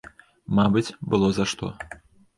Мабыць, было за што.